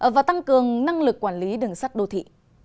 và tăng cường năng lực quản lý đường sắt đô thị